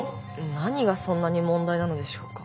何がそんなに問題なのでしょうか？